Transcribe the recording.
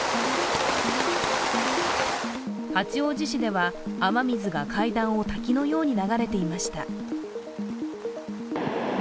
八王子市では雨水が階段を滝のように流れていました。